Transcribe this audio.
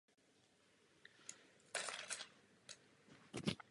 Je absolventem University of Leeds.